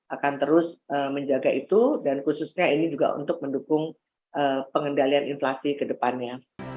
akan terus menjaga itu dan khususnya ini juga untuk mendukung pengendalian inflasi ke depannya